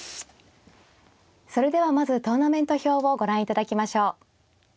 それではまずトーナメント表をご覧いただきましょう。